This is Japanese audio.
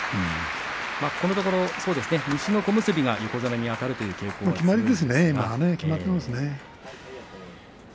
このところ西の小結が横綱にあたる今は決まっていますね。